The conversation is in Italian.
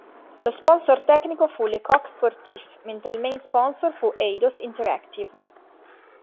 Lo sponsor tecnico fu Le Coq Sportif mentre il main sponsor fu Eidos Interactive.